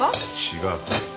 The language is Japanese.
違う。